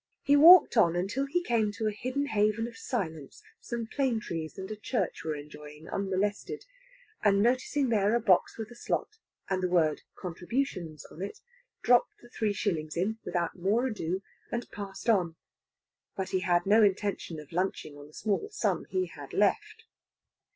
He walked on until he came to a hidden haven of silence some plane trees and a Church were enjoying unmolested, and noticing there a box with a slot, and the word "Contributions" on it, dropped the three shillings in without more ado, and passed on. But he had no intention of lunching on the small sum he had left.